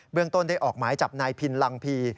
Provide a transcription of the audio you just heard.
เรื่องต้นได้ออกหมายจับนายพินลังพี